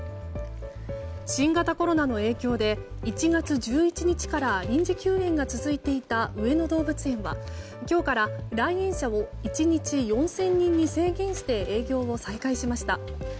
新型コロナの影響で１月１１日から臨時休園が続いていた上野動物園は今日から来園者を１日４０００人に制限して営業を再開しました。